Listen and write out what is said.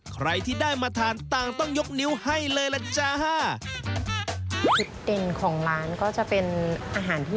ใครที่ได้มาทานต่างต้องยกนิ้วให้เลยล่ะจ้า